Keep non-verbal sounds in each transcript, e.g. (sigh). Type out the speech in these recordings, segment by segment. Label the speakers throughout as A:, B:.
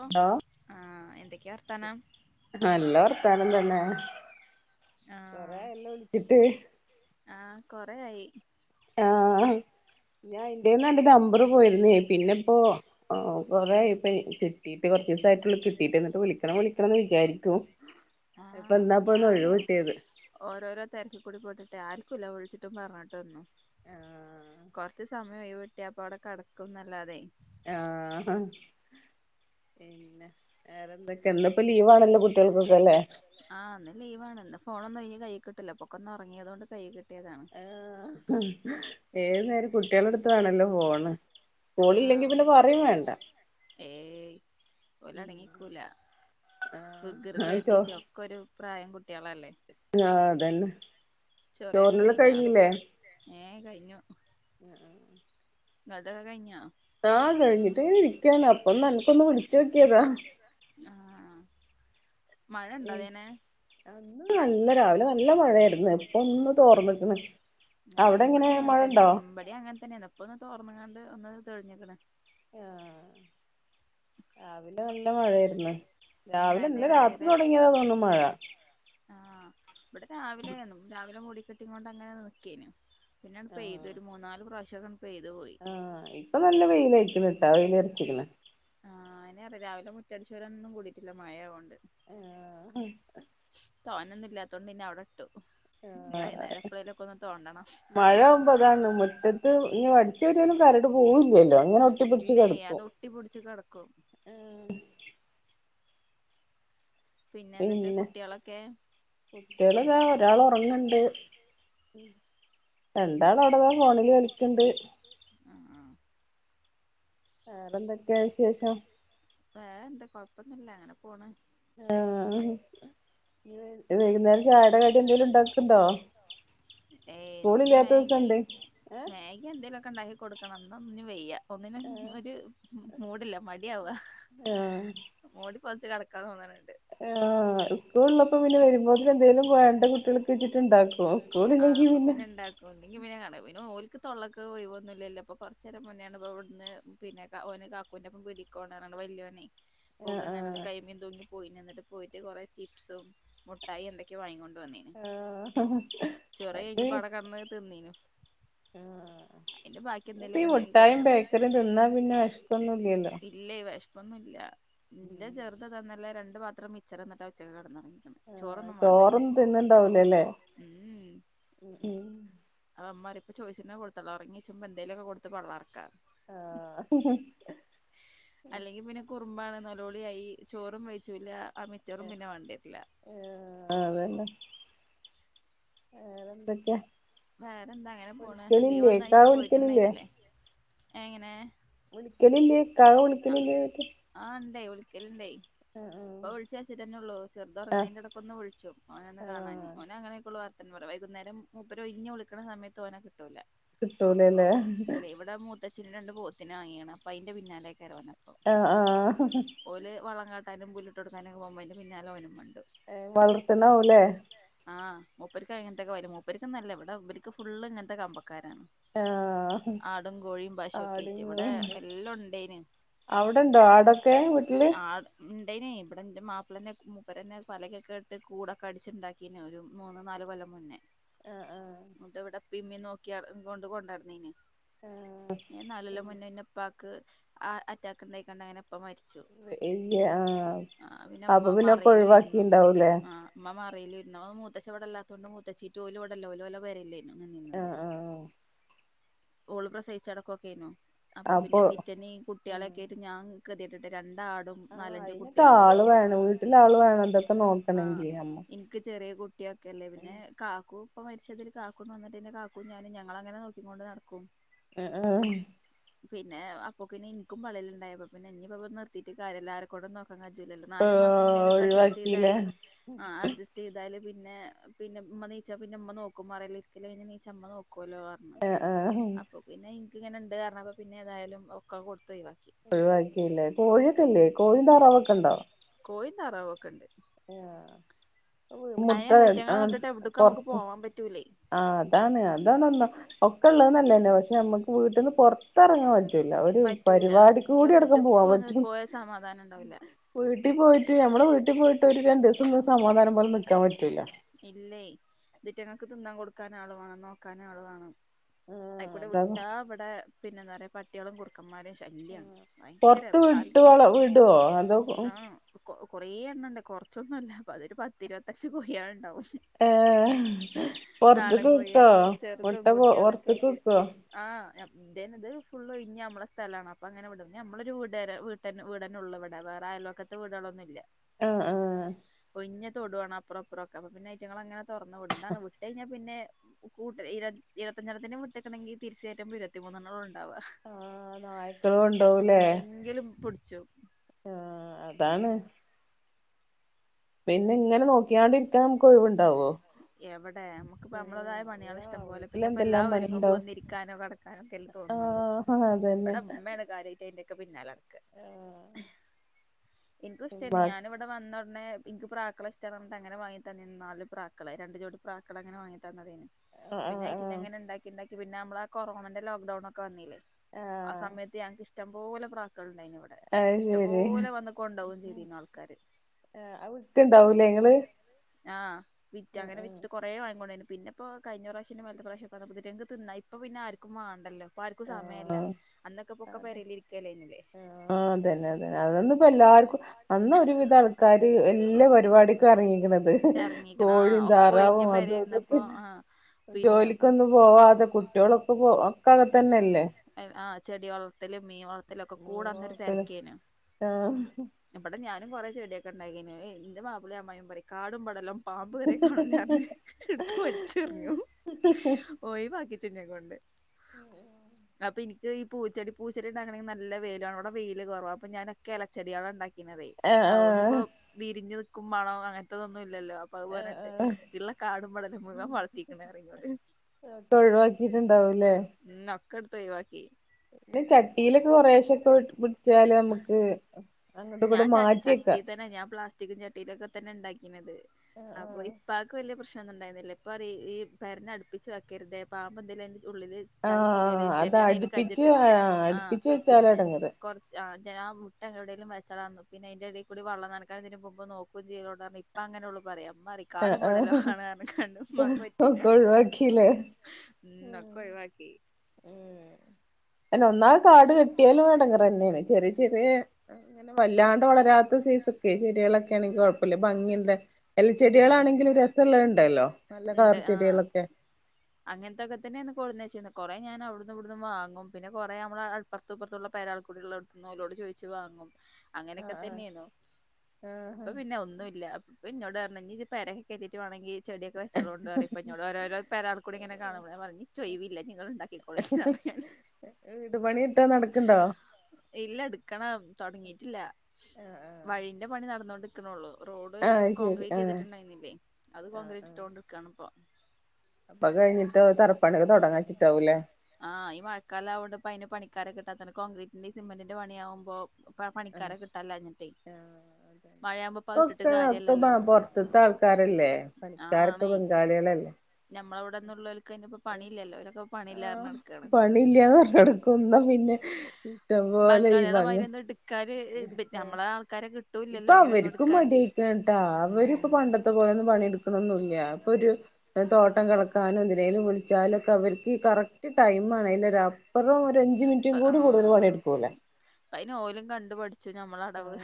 A: ഓ
B: hello
A: ആഹ് എന്തൊക്കെയാ വർത്താനം
B: നല്ല വർത്താനന്തന്നെ
A: ആഹ്
B: കൊറേആയ്ലോ വിളിച്ചിട്ട്
A: റേആയി
B: ആഹ് ഞാൻ ഇൻ്റേന്ന് അൻ്റെമ്പറ് പോയിരുന്നേ പിന്നെ ഇപ്പൊ കൊറെ ഇപ്പ കിട്ടീട്ട് കൊറച്ചീസായിട്ടുള്ളൂ കിട്ടീട്ട് എന്നിട്ട് വിളിക്കണം വിളിക്കണംന്ന് വിചാരിക്കും ഇപ്പൊ
A: ആഹ്
B: ഇന്നാപ്പൊ ഒന്ന് ഒഴിവ്
A: ഞാന്
B: കിട്ടിയത്
A: ഓരോരോ തെരക്ക്ക്കൂടി പോയിട്ടിട്ടേ ആര് ക്കൂല വിൾച്ചിട്ടും പർണിട്ടും വന്നു
B: ആഹ്
A: കൊർച്ചീസ സമയം ഒയിവ് കിട്ടിയാ അപ്പവിടെകെടക്കുംന്നല്ലാതെ
B: ആഹ് പിന്നെ വേറെന്തൊക്കെ ഇന്ന്പ്പോ ലീവ് ആണല്ലോ കുട്ടികൾക്കൊക്കെ അല്ലേ
A: ആഹ് ഇന്ന് ലീവാണ് ഇന്ന്ഫോണൊന്നുംഴിഞ് കൈകിട്ടില്ല പൊക്കൊന്നൊറങ്ങിയത് കൊണ്ട് കൈയ്യീകിട്
B: ആ ഏത് നേരം കൊ ട്ടികളെടുത്തതാണല്ലോ ഫോണ് സ്കൂളില്ലെങ്കി
A: ആഹ്
B: പിന്നെ പറയും വേണ്ട
A: ഏയ് ഓലടങ്ങിക്കൂല
B: ആഹ
A: വികൃതി
B: ആയിതോ
A: കാട്ടീട്ട് ഒക്കെ ഒരു പ്രായം കുട്ടികളല്ലേ
B: ആ അതന്നെ ചോറിനുള്ളതെകഞ്ഞില്ലേ
A: ഏഹ കഴിഞ്ഞു
B: ഹ് ഉം
A: നത ക്കെകഞ്ഞോ
B: ആഹ കഴിഞ്ഞിട്ട് ഇരിക്കാന അപ്പൊ നിനക്കൊന്ന് വിളിച്ചു നോക്കിയതാ
A: ആഹ് മഴ ഇണ്ടാത് നെ
B: ഇന്ന് നല്ല രാവിലെ നല്ല മഴയായിരുന്നു ഇപ്പൊ ഒന്ന് തോർന്നിക്കാണ്
A: ഞാ ഇവിടെ അങ്ങനെ തന്നെ ഇവിടെ അങ്ങനെ തന്നെ ഇപ്പൊ ഒന്ന് തോർന്നുകണ്ട്ഒന്ന് തെളിഞ്ഞ് ക്കണ്.
B: യാ.. രാവിലെ നല്ല മഴായിരുന്ന്
A: ഉം
B: രാവിലെ
A: അയെന്നെ
B: ഇല്ല രാത്രി
A: രാവിലെ
B: തുടങ്ങിയതാണ്ന്ന് തോണുന്നുമഴ
A: ആഹ് ഇവിടെ രാവിലൊന്ന് രാവിലെമൂടി കെട്ടിയ കൊണ്ട് അങ്ങനെനിൽക്കേണ് പിന്നെപെയ്ത് ഒരു മൂന്നാല് പ്രാവശ്യ
B: ആഹ ഇപ്പൊ നല്ല വെയിലയിക്കുന്നുട്ടാ വെൽ ഇരച്ചിക്കണ്
A: അതെതെ രാവിലെമുറ്റടിച്ച് വ രനൊന്നുംകുടിയിട്ടില്ലമഴയകൊണ്ട്
B: യാഹ്
A: തോനൊന്ന്ഇല്ലാത്തോണ്ട്പിന്നെഅവിടെ
B: (unintelligible) ആ ഹ്
A: തോണ്ടണം
B: മഴ ആകുമ്പോ അതാണ് മുറ്റത്ത് ഇങ്ങ് വടിത്തിവരെകര ട്ട് പോകില്ലല്ലോഅങ്ങനെഒട്ടിപ്പിടിച്ച്
A: ഇല്ലേ അത്
B: കെടക്കും.
A: ഒട്ടി പിടിച്ച് കെടക്കും പിന്നെ എന്നിട്ട് കുട്ടികളൊക്കെ
B: കുട്ടികള്താ ഒരാള് ഒറങ്ങണ്ട് രണ്ടാള് അവിടന്നാ ഫോണില് കളിക്കണ്ട്
A: ആഹ്
B: വേറെന്തൊക്കെയ വിശേഷം
A: വേറെ എന്താ കൊഴപ്പൊന്നല്ല അങ്ങനെ പോണ്
B: ആ അഹ്‌ ന്ന് വൈകുന്നേരം ചായെടെകടി എന്തെലും ഉണ്ടാക്കണ്ടോ
A: ഏയ് ഇന്ന്
B: സ്കൂളില്ലാത്ത ദിവസണ്ട് ഹ്
A: ഒണ്ടാക്കികൊടുക്കണംന്ന് അവന് വയ്യ ഒന്നിനും ഒര് മൂ മൂടില്ലമടിആവാമുടി പൊതച്ച്കെടക്കാൻതോന്നാനിണ്ട്
B: ആഹ്.. സ്കൂളിലപ്പ പിന്നെ വരുമ്പോതിന് എന്തെലുംപോയാണ്ട് കുട്ടികൾക്ക് വച്ചിട്ടുണ്ടാക്കോ
A: ആഹ് അപ്പൊ പിന്നെ ഇണ്ടാക്കും ഇല്ലെങ്കി പിന്നെഅടവിനോൽ തൊള്ളക്ക്ഒഴിവൊന്നുംഇല്ലല്ലോ അപ്പൊകൊറച്ച് നേരം മുന്നെയാണ് ഇപ്പോ ഇവിടുന്ന് പിന്നെഒന് കാക്കുണ്ടെ ഒപ്പംപേടിക്കോറണം വല്ല്യോനെ
B: ആഹ്
A: പോകാൻന്നാണ്കയ്യിമേൽതൂങ്ങി പോയി നിന്നിട്ട് പോയിട്ട് കുറെ ചിപ്സും മുട്ടായി എന്തൊക്കെയോ വാങ്ങിക്കൊണ്ട്
B: ആ... ഹ്
A: ചോറെകഴിഞ്ഞ്പ്പാടെകിടന്ന് തിന്നീനു
B: ആഹ്
A: അതിന്റെ ബാക്കി
B: ഇപ്പ ഈ
A: എന്തേലുമൊക്കെ ഉണ്ടെങ്കി
B: മുഠായും
A: കൊടുക്കണം
B: ബേക്കറിയും തിന്നാ പിന്നെ വിശപ്പൊന്നുംഇല്ലാലോ
A: പ്പോന്നില്ല ഇൻടെചെറുത്‌താഇന്നലെരണ്ട്പാത്രംമിക്ചെറ്തിന്നിട്ട്അ ഉച്ചക്ക്കിടന്ന്ഉറങ്ങി
B: ആ ചോറൊന്നും തിന്നണ്ടാവൂലേല്ലേ
A: ഉം
B: ഉഹും
A: ഇപ്പാചോയ്ച്ചിന്ന്കൊടുത്തോള്ഒറങ്ങിചുമ്മാഎന്തേലുംകൊടുത്തപ്പഓള്ഒറക്കണ്
B: ആ
A: മ്പ്പാണ് നല്ലോളിയായി ചോറും വേവുചൂല
B: ഏഹ്ആ... ആ അതന്നെ വേറെൻത്തൊക്കെയാ
A: വേറെ എന്താ അങ്ങനെ പോണ് ലീവ്
B: ഇക്കാ
A: ഒന്നായിട്ട്
B: വിളിക്കലില്ലേ
A: പോയിട്ടുണ്ടായിുന്നില്ലേ എങ്ങനെ ആ
B: വിളിക്കലില്ലേഇക്കവിളിക്കലില്ലേ
A: ആ (unintelligible)
B: ആ അഹ്
A: ഇപ്പൊ വിളിച്ചാ വച്ചിട്ടന്നെ ഉള്ളൂ. ചെറുതൊറങ്ങണേന്റെടക്കൊന്ന് വിളിച്ചും. ഓനൊന്ന് കാണാന്
B: ആഹ്
A: ഓന് അങ്ങനെ ക്കെയുള്ളൂ ത്തൻ കൊറവാ. വൈകുന്നേരം മൂപ്പര് ഒഴിഞ്ഞ് വിളിക്കണ സമത്ത് ഓനെ കിട്ട്
B: കിട്ടൂലല്ലേ.
A: ത്തച്ഛന് രണ്ട് പോത്തിനെ വാങ്ങിയേണ്. അപ്പൊ അയിന്റെ പിന്നാലെ ഒക്കെ ഓട്ടം അപ്പം.
B: ആഹ് ആഹ്
A: ഓല് വളങ്ങാ ങ്ങാനും പുല്ലിട്ടു കൊടുക്കാനും ഒക്കെ പോവുമ്പേ അതിൻ്റെ പിന്നാലെ ഓനും വന്ന്
B: ഏ വളർത്തണാവൂലേ
A: ആഹ് മൂപ്പർക്ക് അങ്ങനത്തക്കെ വരും. മൂപ്പർക്കുന്നല്ല ഇവിടെ ഇവരക്ക് ഫുള്ള് ഇങ്ങനത്തെ കമ്പാ ആൾക്കാരാണ്
B: ആഹ്
A: ആടും കോഴിയും പശു ഒക്കെ ആയിട്ട്
B: ആടിനെ
A: ഇവിടെ എല്ലാം ഉണ്ടേന്
B: അവിടെണ്ടോ ആടൊക്കെ വീട്ടില്
A: ഇണ്ടേയ്നി ഇവിടെന്റെ മാപ്പിളന്റെ മൂപ്പരന്നെ പലക ഒക്കെ ഇട്ട് കൂടൊക്കെ അടിച്ചുണ്ടാക്കിന് ഒരു മൂന്ന് നാല് കൊല്ലം
B: ആഹ് ആഹ്
A: ഇങ്ങോട്ട് ഇവിടെ പിമ്മി നോക്കിയണ്ടു കൊണ്ട് കൊണ്ടായിരുന്നീനി നാലു കൊല്ലംമുന്നേ ഉപ്പാക്ക് ആ അറ്റാക്ക് ഉണ്ടായി കണ്ട് അങ്ങനെ ഉപ്പാ മരിച്ചു.
B: (unintelligible) ആ
A: ആഹ്
B: അപ്പൊ
A: ഇമ്മ
B: പിന്നെ ഒക്കെ ഒഴിവാക്കിണ്ടാവൂല്ലേ
A: പെരേല് ഇരുന്നാ മൂത്തച്ഛൻ ഇവിടില്ലാത്തോണ്ട് മൂത്തച്ഛി ടു യല് പോണ്ടല്ലോ ഓല് വെല്ല പെരേല്
B: ആഹ് ആഹ്
A: ഓള് പ്രസവിച്ചു കെടക്കൊക്കെയായിന്നു അപ്പൊ പിന്നെ ഇതിറ്റനെ കുട്ടികളെ ഒക്കെ ആയിട്ട് ഞാൻ ഗതികെട്ടട്ട് രണ്ട്
B: ആ അയിനൊക്കെ ആള് വേണം. വീട്ടിലാള് വേണം ഇതൊക്കെ നോക്കണെങ്കി നമ്മ
A: കുട്ടിയൊക്കെ അല്ലേ പിന്നെ കാ കാക്കൂ ഇപ്പൊ മരിച്ചതൊരു കാക്കൂ നന്നായിട്ടന്നെ കാക്കൂ ഞാനും ഞങ്ങളങ്ങനെ നോക്കി കൊണ്ട് നടക്കും.
B: എ ആ
A: പിന്നെ അപ്പൊക്കിന് എനിക്കും പള്ളേല് ഉണ്ടായപ്പൊ പിന്നെ ഇനിയിപ്പപ്പെ നിർത്തിട്ട് കാര്യല്ല ആരെക്കൊണ്ടും നോ ക്കാൻ പറ്റില്ലല്ലോ. നാല് മാസം എങ്ങനെലു
B: ആഹ്
A: ഒക്കെ അഡ്ജസ്റ്റ്
B: ഒഴിവാക്കില്ലേ
A: ചെയ്താല് ആ അഡ്ജസ്റ്റ് ചെയ്താലും പിന്നെ പിന്നെ ഉമ്മ എനീച്ച പിന്നെ ഉമ്മ നോക്കും മറേല് ഇരിക്കല് കഴിഞ്ഞ് എനീച്ച ഉമ്മ നോക്കും ഒക്കൂലോപറഞ്ഞ്.
B: ആഹ് ആഹ്
A: അപ്പോ പിന്നെ ഇനക്ക് ഇങ്ങനെ ഉണ്ടന്നറിഞ്ഞപ്പോ പിന്നെ ഏതായാലും ഒക്കെ കൊടു
B: ഒഴിവാക്കില്ലേ കോഴിയൊക്കെ
A: ഉം
B: ഇല്ലേ കോഴിം താറാവൊക്കെ ഇണ്ടോ?
A: താറാവ് ഒക്കെ ഉണ്ട്
B: ആ
A: അയാണ് ഇവറ്റുങ്ങളൊന്നിട്ടിട്ട് എവിടക്കും നമുക്ക്
B: പൊറത്ത്
A: പോവാൻ പറ്റൂലേ.
B: ആ അതാണ് അതാണ് പറഞ്ഞേ. ഒക്കെ ഉള്ളത് നല്ലത് തന്നെ. പക്ഷെ നമ്മുക്ക് വീട്ടീന്ന് പൊറ ത്ത് ഇറങ്ങാൻ പറ്റൂല്ല. ഒരു
A: പറ്റൂല
B: പരിപാടിക്കുകൂടി എവടക്കും പോവാൻ
A: എവിട്ക്കും ഒന്ന്
B: പറ്റൂ
A: പോയാ സമാധാനം ഇണ്ടാവൂല
B: വീട്ടിൽ പോയിട്ട് നമ്മടെ വീട്ടിൽ പോയിട്ട് ഒരു രണ്ടു ദിവസം സമാധാനം പോലെ നിക്കാൻ പറ്റൂല.
A: ഇതിറ്റങ്ങൾക്ക് തിന്നാൻ കൊടുക്കാൻ ആളുവേണം. നോക്കാൻ ആളു വേണം. അയിക്കൂടെ
B: അത
A: വിട്ടാ ഇവിടെ പിന്നെ എന്താ പറയാ പട്ടികളും കുറുക്ക ന്മാരുടെ ശല്യാണ് ഭയങ്കര
B: പൊറത്ത്
A: തൽ
B: വിട്ട് വള വിടുവോ അതോ
A: ആ കുറേ എണ്ണണ്ട്. കൊറച്ചൊന്നു അല്ല. അതൊരു പത്തിഇരുപത്തഞ്ചു കോയികളുണ്ടാവും.
B: ഏ
A: നാടൻ
B: പുറത്തക്ക് വിക്കോ
A: കോഴികള്
B: മുട്ട പോ പുറത്തക്ക് വിക്കോ?
A: ആ ഞ ഇതേനത് ഫുളള് ഒഴിഞ്ഞ ഞമ്മളെ സ്ഥലാണ്. അപ്പൊ അങ്ങനെ വിടു. ഞമ്മളൊരു വിട്ടാരെ വീട്ടന്നെ വീടന്നെ ഒള്ളൂ ഇവിടെ വേറെ അയാലോക്കത്ത് വീടുകളൊന്നും ഇല്ല
B: ആ ആ
A: കുഞ്ഞ തോടുവാണ് അപ്പറോം ഇപ്പറൊക്കെ. അപ്പ പിന്നെ ഈറ്റങ്ങളെ അങ്ങനെ തൊറന്ന് വിടും. ഇതാണ് വിട്ട് കഴിഞ്ഞാ പിന്നെ കൂട്ടര് ഇരുപ ഇരുപത്തഞ്ചെണ്ണത്തിനെ വിട്ടേക്കണേങ്കി തിരിച്ചു വരുമ്പോ ഇരുപത്തിമൂന്നെണ്ണം ഉണ്ടാ
B: ആ നായ്ക്കളും കൊണ്ടോവൂല്ലേ.
A: ചോ
B: ആ അതാണ് പിന്നെ ഇങ്ങനെ നോക്കിയാണ്ട് ഇരിക്കാൻ നമുക്ക് ഒഴിവുണ്ടാവോ.
A: എവടെ. നമ്മക്കിപ്പ
B: ആ
A: നമ്മടേതായ പണികള് ഇഷ്ടംപോല പിന്നെ ഇപ്പ
B: വീട്ടിലെന്തെല്ലാം
A: എല്ലാം
B: പണിയുണ്ടോ
A: ഒരുങ്ങുമ്പോ ഒന്ന് ഇരിക്കാനോ കെടക്കാനൊക്കെയല്ലേ
B: ആ
A: തോന്നു ന്നുള്ളൂ.
B: അതന്നെ
A: ഇവിടെ ഉമ്മയാണ് കാര്യമായിട്ട് അതിൻ്റൊക്കെ പിന്നാലെ നട
B: ആ
A: എനിക്കും ഇഷ്ടെർന്നു. ഞാനിവിടെ വന്ന ഉടനെ ഇൻക് പ്രാക്കളെ ഇഷ്ടാണ് പറഞ്ഞിട്ട് അങ്ങനെ വാങ്ങി വാങ്ങി തന്നീന്നു നാല് പ്രാക്കളെ. രണ്ട് ജോഡി പ്രാക്കളെ അങ്ങനെ വാങ്ങി തന്നതേര്ന്നു.
B: ആ
A: പിന്നെ
B: ആ ആ
A: അയിറ്റനങ്ങനെ ഇണ്ടാക്കി ഇണ്ടാക്കി പിന്നെ നമ്മളെ ആ കൊറോണന്റെ ലോക്ക്ഡൌൺ ഒക്കെ വന്നിലെ ആ സമയത്ത് ഞങ്ങക്ക് ഇഷ്ടം പോലെ പ്രാക്കൾ ണ്ടായിന്നു ഇവടെ.
B: അത്
A: ഇഷ്ടം
B: ശരി
A: പോലെ വന്ന് കൊണ്ടോകും ചെയ്തീന്നു ആൾക്കാര്
B: ആഹ് അത് വിറ്റുണ്ടാവും ല്ലേ ങ്ങള്
A: ആഹ് വിറ്റു അങ്ങനെ വിറ്റിട്ട് കുറേവാങ്ങികൊണ്ടോയിന്നു പിന്നെപ്പോ കഴിഞ്ഞ പ്രാവശ്യം അതിന്റെ മേലത്തെ പ്രാവശ്യം ഇപ്പൊ പിന്നെ ആർക്കും വേണ്ടല്ലോ
B: ആഹ് അതെ
A: പെരേലിരിക്കല്ലേനില്ലേ
B: ആഹ് അതന്നെ അതന്നെ അതൊന്നും ഇപ്പൊ എല്ലാർക്കും ർക്കും അന്ന് ഒരു വിധ ആൾക്കാര് എല്ലാ പരിപാടിക്കും ഇറങ്ങീക്ക്‌ണത്
A: എറങ്ങീക്ക്ണ് ആഹ്
B: കോഴിയും
A: ഒക്കെ ഒഴിഞ്ഞ്
B: താറാവും അതും ഇതൊക്കെ
A: പെരേലിരുന്നപ്പോ ആഹ് പിന്നെ
B: ജോലിക്കൊന്നും പോവാതെ കുട്ടികളും (inaudible)
A: ആഹ് ചെടി വളർത്തല് മീൻ വളർത്ത ലൊക്കെ കൂടെ അന്നൊരു തെരക്കേനു പിന്നെ ഇവടെ ഞാനും കുറെേ ചെടിയൊക്കെ ഉണ്ടാക്കീന്നു. ഏയ് ഇന്റെ മാപ്പളീം അമ്മായിമമീം പറയും കാടും പടലും പാമ്പ് വരെ കാണുംന്ന് പറഞ്ഞ് ഇടുത്ത് വലിച്ചെറിഞ്ഞു. ഒയിവാക്കി ച്ചു ന്നെക്കൊണ്ട്
B: ഉം ഉം
A: ഈ പൂച്ചെടി പൂച്ചെടി ഉണ്ടാക്കണെങ്കി നല്ല വെയില് വേണം. അവിടെ വെയില് കുറവാ. അപ്പൊ ഞാനൊക്കെ ഇല ചെടികള ഇണ്ടാക്കി ണ്ടാക്കീന്നതെയ്
B: ആ ആ
A: അതുകൊണ്ടിപ്പോ വിരിഞ്ഞു നിൽക്കും മണോം അങ്ങനത്തതൊന്നുല്ല ല്ലോ അപ്പൊ അത് പറഞ്ഞിട്ട് ഇള്ള കാടും പടലും മുഴുവൻ വളർത്തിക്കണ് മ്പടല്ല മു വളർത്തീക്ക്ണ് പറയും ഇന്നോട്
B: ഒഴിവാക്കിയിട്ടുണ്ടാവും
A: ഉം ഒക്കെട്ത് ഒയിവാക്കി
B: പിന്നെ ചട്ടിയിലൊക്കെ കൊറേശൊക്കെ പിടിച്ചാല് നമ്മക്ക്
A: ഞാൻ ചട്ടി ചട്ടി തന്നെ ഞാൻ പ്ലാസ്റ്റിക്കും ചട്ടിയിലൊക്കെ തന്നെ ഇണ്ടാക്കി അപ്പൊ ഇപ്പാക്ക് വല്യ പ്രശ്ന ന്നൊണ്ടാർന്നില്ല. ഇപ്പ പറിം ഈ പരന്ന് അടുപ്പിച്ച് വേക്കര്തെ പാമ്പ്‌ എന്തേലും ഉള്ളില് ഇതായി കൂടിയാല്
B: ആഹ് അത്
A: ഇജ്ജന്നേണ് അയില്
B: അടുപ്പിച്ച്
A: കജ്ജിട്ട്
B: ആഹ്
A: ആ
B: അടുപ്പിച്ച് വെച്ചാലാ
A: പിന്നെ
B: എടങ്ങേറ്
A: കൊറച്ച് ആ മുട്ട എവിടേലും വെച്ച (unintelligible) (unintelligible) പിന്നയിന്റെ എടേ ക്കൂടി വെള്ളം നനക്കാനും ഇതിനും പോകുമ്പോ നോക്കോ ഇപ്പ അങ്ങനെയൊള്ളൂ പറയാ ചെയോന്ന് ഇപ്പ അങ്ങന ഉള്ള പറയാം (unintelligible) ഇമ്മ പറിം
B: ആഹ്
A: കാടും പടലും
B: ആഹ്
A: ആണ് പറഞ്ഞ്ങ്ങാണ്ട് ഇമ്മാക്ക് പറ്റൂല
B: ഒക്കെ ഒഴിവാക്കില്ലേ
A: ഉം ഒക്കൊഴിവാക്കി
B: ഉം അയ്ന് ഒന്നാകെ കാട് കെട്ടിയാലുംഎടങ്ങേറാന്നെയാണേയ്‌ ചെറിയ ചെറിയ ഇങ്ങനെ വല്ലാണ്ട് വളരാത്ത സൈസൊക്കെ ചെടികളൊക്കൊണെങ്കി കുഴപ്പല്ല ഭംഗിള്ളെ എല
A: ഉം
B: ചെടികളാണെങ്കിലും രസള്ളത് ഉണ്ടല്ലോ നല്ല
A: ഇണ്ട്
B: കളർ
A: ആഹ്
B: ചെടികളൊക്കെ
A: അങ്ങനത്തൊക്കെ തന്നെന്നു പിന്നെ കൊറേ ഞാൻ അവിടുന്നും ഇവിടുന്നും വാങ്ങും പിന്നെ കുറേ നമ്മളെ അപ്പുറത്തും ഇപ്പറത്തുള്ള പെരേൾക്കൂടിള്ളോട്ത്ത്ന്ന് ഓലോട് ചോയ്ച്ച് വാങ്ങും അങ്ങനെയൊക്കെ
B: ആഹ്
A: തന്നെയേന്നു.
B: ആഹ്
A: ഇപ്പൊ പിന്നെ ഒന്നുംല്ല. ഇപ്പൊ ഇന്നോട് പറഞ്ഞു ന്ന ഇഞ്ഞി ഇജ്ജ് പെരയൊക്കെ കയറ്റീട്ട് വേണെങ്കി ചെടിയൊക്കെ വെച്ചോളോണ്ടു പറിം ഇപ്പന്നോട്.
B: ആഹ്
A: ഓരോരോ പെരേൽ ക്കൂടി ഇങ്ങനെ കാണുമ്പോ. ഞാൻ പറിം ഇഞ്ഞി ഇച്ച് ഒയിവില്ല. ഇഞ്ഞി ഇങ്ങള് ഇണ്ടാക്കിക്കോളീം ന്ന് പറഞ്ഞു ഞാന്
B: വീട് പണി
A: ഇല്ല ഇടുക്കണം തുടങ്ങീട്ടില്ല
B: ആഹ്
A: വഴിന്റെ പണി നടന്നോണ്ട്ക്ക്‌ണൊള്ളൂ റോഡ്
B: അത് ശരി
A: കോൺക്രീറ്റ്
B: ആഹ്
A: ചെയ്തിട്ടുണ്ടായിന്നില്ലേ അത് കോൺക്രീറ്റ് ഇട്ടോണ്ട് നിക്കാണ് ഇപ്പൊ
B: അപ്പൊ അത് കഴിഞ്ഞിട്ട് തറപ്പണിയൊക്കെ തുടങ്ങാചിട്ടാവും ലേ
A: ആഹ് ഈ മഴക്കാലം ആവോണ്ട് ഇപ്പ അയിന് പണിക്കാരെ കിട്ടാത്ത കാരണം കോൺക്രീറ്റിന്റീം സിമന്റിന്റെ പണിയാകുമ്പോ
B: അ ആ അതെ
A: മഴയാവുമ്പോ ഇപ്പ അത്
B: ഇപ്പൊ
A: ഇട്ടിട്ട്
B: ഒക്കെ
A: കാര്യല്ലല്ലോ
B: പൊറത്ത്തെ ആൾക്കാര ആൾക്കാരല്ലേ പണിക്കാരൊക്കെ ബംഗാളികളല്ലേ
A: ഞമ്മളവിടെന്നുള്ളോൽക്ക് അയ്ന് ഇപ്പൊ പണി ഇല്ലല്ലോ. ഓലൊക്കെ പണി ഇല്ലാന്ന്
B: ആഹ്
A: പറഞ്ഞ് നടക്കാണ്
B: പണിയില്ലാന്ന് പറഞ്ഞ് നടക്കും ഇന്നാ പിന്നെ ഇഷ്ടംപോലെ ഈ പണി
A: നമ്മള ആൾക്കാരെ കിട്ടു (unintelligible)
B: ഇപ്പൊ അവർക്കും മടക്ക കേട്ടാ അവര് ഇപ്പൊ
A: ഉം
B: പണ്ടത്തെ പോലെന്ന് പണിെടുക്കുന്ന നുല്ല ഇപ്പോരൂ തോട്ടം കളകൻ എന്തിനേലും വിളിച്ചാൽ കറക്റ്റ് ടൈം അപ്പുറം ഒരു അഞ്ചു മിനിറ്റും കൂടി കൂടുതൽ
A: ആഹ്
B: പണിെടുക്കൂലേ (unintelligible)
A: അയിന് ഓലും കണ്ടു പഠിച്ചു ഞമ്മളെ
B: ആ
A: അടവ്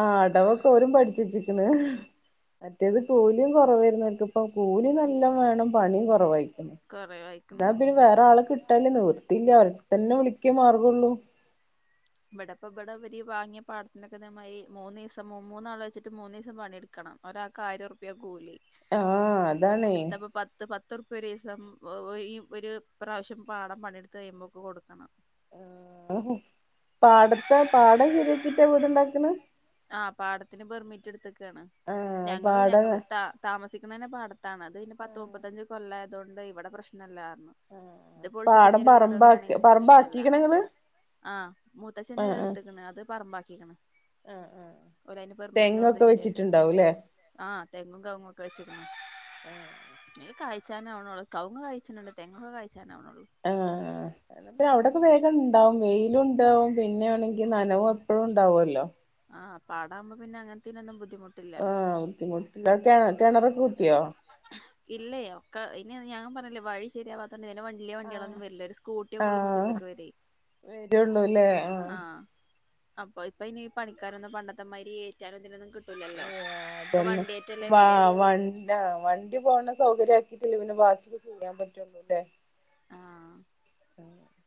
B: ആ അടവൊക്കെ രും പഠിച്ച ച്ചിക്കണ് മറ്റേത് കോൂലിയും കുറവായിരുന്നുക്ക ഇപ്പൊ കൂലി നല്ല വേണം പണിയും കുറവായിരിക്കണം
A: കൊറേ വായിക്കണ്
B: എന്നാ പിന്നെ
A: ഉം
B: വേറെ ആളെ കിട്ടല്േ നിവർത്തിയില്ല അവർ തന്നെ വിളിക്കേ മാർഗള്ളു
A: ബടാപ്പ ബടാ (unintelligible) വാങ്ങിയ പാടത്തിനക്കെ മൂന്ന് ദിവസം മൂന്നാൾ വെച്ചി് മൂ ദസം പണിെടുണം ഒരാൾ ആയിരംപ ക്കൂ ലി
B: ആ അ
A: പത്ത് പത്ത് (unintelligible) തറപ്പരീസം ഈ ഒരു പ്രാവശ്യം പാടം പണിയെടുത്ത് കഴിയുമ്പോൊക്കെ കൊടുക്കണം (unintelligible)
B: ആ പാടത്തെ പാടം ശരിയാക്കിട്ടാ വീടുണ്ടാക്കണ്
A: ആ പാടത്തിന് പെർമിറ്റ് എടുത്തക്ക് ണ്
B: ആഹ്
A: ഞങ്ങള്
B: പാടം
A: ഞങ്ങള് ത താമസിക്കുന്നന്റെ പാടത്താണ് അത് പിന്റെ പത്ത്
B: ആഹ്
A: മുപ്പത്തഞ്ച് കൊല്ലായ തുകൊണ്ട് ഇവിടെ പ്രശ്നല്ല
B: ആ പാടം പറമ്പി പറമ്പ ആാക്കിിക്കണ നിങ്ങള്
A: ആ മൂത്തചന് എടുത്തക്കണ് അത് പറമ്പാക്കിക്കണ്
B: ആഹ് ആഹ്
A: ഓര് അതിന് പെർമിറ്റിന് കൊടുത്ത്
B: തെങ്ങൊക്കെ
A: ശരിയാക്കി
B: വെച്ചിട്ടുണ്ടാവുംല്ലേ
A: ആ തെങ്ങും കവങ്ങും ഒക്കെ വെച്ചിക്കണ് ഇത് കഴ്ച്ചാനാവണള്ളൂ കവുങ്ങ് കായ്ചണുണ്ട് തെങ്ങ് കായ്ക്കാനാവണള്ളൂ
B: ആ പിന്നെ അവിടെക്കെ വേഗം ണ്ടാവും വെയിലും ണ്ടാവും പിന്നെ (unintelligible) ങ്കി നനവും എപ്പോഴുംണ്ടാവുല്ലോ
A: ആ പാടാവുമ്പം പിന്നെ അങ്ങനത്തേനെന്നും ബുദ്ധി
B: ആ ബുദ്ധിമുട്ടില്ല കെണ കിണറൊക്കെ കുത്തിയോ
A: ഇല്ലേ ഒക്കെ ഇനി ഞങ്ങും പറഞ്ഞില്ലേ വഴി ശരിയാവാ തന്ന ഇതിന് വണ്ടിയ
B: ആഹ്
A: വണ്ടികളൊന്നും വരില്ല ഒരു സ്കൂട്ടിയൊക്കെ ഉള്ള മുറ്റത്തൊക്കെ വരെയ്
B: ന്നുല്ലെ ആ
A: അപ്പൊ ഇപ്പൊ ഇനി പണിക്കാരൊന്നും പണ്ടത്തെമാതിരി ഏറ്റാനും ഇതിനൊന്നും കിട്ടി ലല്ലോ ഒക്ക വണ്ടിയേറ്റല്ലേ വര
B: പിന്നാ വണ്ടി പോകണ സൗകര്യം ആക്കിട്ടല്ലേ പിന്നെ ബാക്കി ഒക്കെ ചെയ്യാൻ പറ്റുള്ളൂ അല്ലേ
A: ആ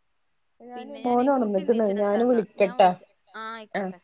B: (inaudible) ഞാന് മോന്
A: കുട്ടി
B: ഒണന്നിക്കണ് ഞാന്
A: നീച്ചിട്ടുണ്ടന്നാ ഞാൻ
B: വിളിക്കട്ടാ
A: വിളിച്ച ആഹ്
B: ആ (inaudible)
A: ആയിക്കോട്ടെ